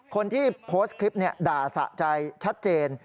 คนที่โพสต์คลิปด่าสะใจชัดเจน